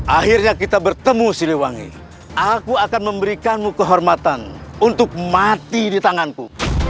akhirnya kita bertemu siliwangi aku akan memberikanmu kehormatan untuk mati di tanganku